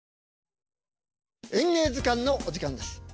「演芸図鑑」のお時間です。